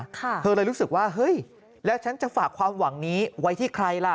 เธอเลยรู้สึกว่าเฮ้ยแล้วฉันจะฝากความหวังนี้ไว้ที่ใครล่ะ